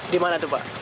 di mana tuh pak